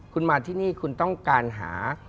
คุณมาที่นี่คุณต้องการหา